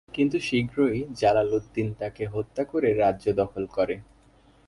কিন্তু শীঘ্রই জালালউদ্দিন তাকে হত্যা করে রাজ্য দখল করে।